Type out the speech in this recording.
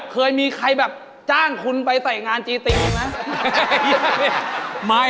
เคยมีใครแบบจ้างคุณไปใส่งานจีตีนอีกมั้ย